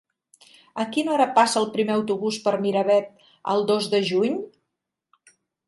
A quina hora passa el primer autobús per Miravet el dos de juny?